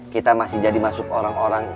kita masih jadi masuk orang orang